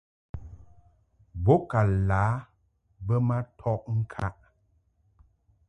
Bo ka lǎ bə ma tɔʼ ŋkaʼ.